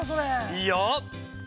いいよ。